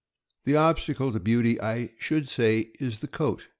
The obstacle to beauty, I should say, is the coat.